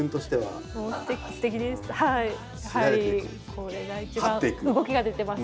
これが一番動きが出てます